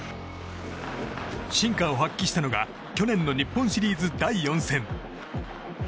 真価を発揮したのが去年の日本シリーズ第４戦。